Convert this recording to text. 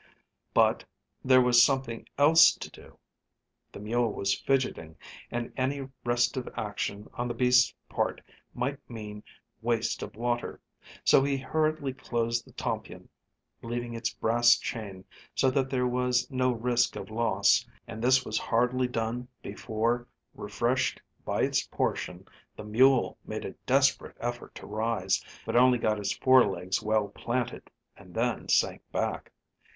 But there was something else to do. The mule was fidgeting, and any restive action on the beast's part might mean waste of water; so he hurriedly closed the tompion, leaving its brass chain so that there was no risk of loss; and this was hardly done before, refreshed by its portion, the mule made a desperate effort to rise, but only got its fore legs well planted, and then sank back.